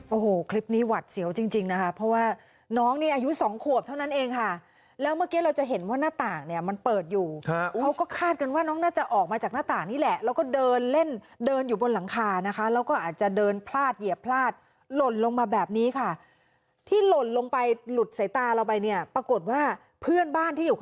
โอ้โหคลิปนี้หวัดเสียวจริงจริงนะคะเพราะว่าน้องนี่อายุสองขวบเท่านั้นเองค่ะแล้วเมื่อกี้เราจะเห็นว่าหน้าต่างเนี่ยมันเปิดอยู่เขาก็คาดกันว่าน้องน่าจะออกมาจากหน้าต่างนี่แหละแล้วก็เดินเล่นเดินอยู่บนหลังคานะคะแล้วก็อาจจะเดินพลาดเหยียบพลาดหล่นลงมาแบบนี้ค่ะที่หล่นลงไปหลุดสายตาเราไปเนี่ยปรากฏว่าเพื่อนบ้านที่อยู่